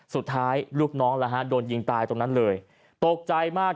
สุดท้ายลูกน้องโดนยิงตายตรงนั้นเลยตกใจมาก